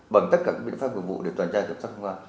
bằng tất cả các biện pháp nghiệp vụ để toàn trai cẩn thận công khắc